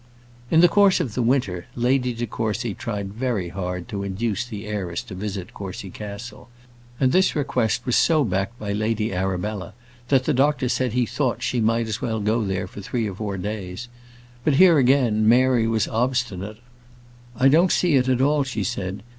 In the course of the winter, Lady de Courcy tried very hard to induce the heiress to visit Courcy Castle, and this request was so backed by Lady Arabella, that the doctor said he thought she might as well go there for three or four days. But here, again, Mary was obstinate. "I don't see it at all," she said.